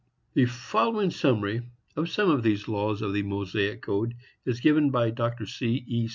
The following summary of some of these laws of the Mosaic code is given by Dr. C. E.